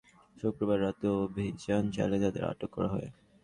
নাশকতার আশঙ্কায় গতকাল শুক্রবার রাতে অভিযান চালিয়ে তাঁদের আটক করা হয়।